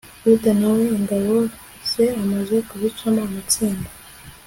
yuda na we, ingabo ze amaze kuzicamo amatsinda